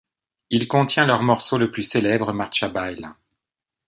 Il contient leur morceau le plus célèbre Marcia baïla.